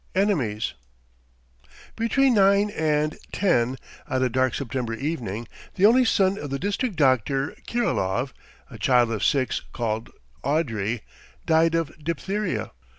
ENEMIES BETWEEN nine and ten on a dark September evening the only son of the district doctor, Kirilov, a child of six, called Andrey, died of diphtheria.